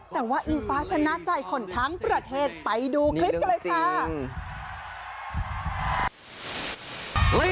แต่ว่าอิงฟ้าชนะใจคนทั้งประเทศไปดูคลิปกันเลยค่ะ